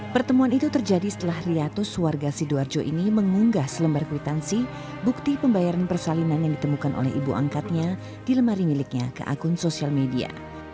pertemuan itu terjadi setelah riatus warga sidoarjo ini mengunggah selembar kwitansi bukti pembayaran persalinan yang ditemukan oleh ibu angkatnya di lemari miliknya ke akun sosial media